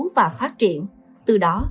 và phát triển từ đó